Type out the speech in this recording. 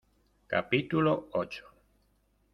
capítulo ocho.